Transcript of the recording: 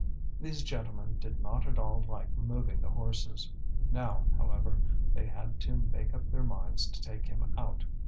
These gentlemen did not at all like moving the horses. Now, however, they had to make up their minds to take him out.